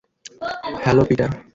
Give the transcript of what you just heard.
Hello, Peter.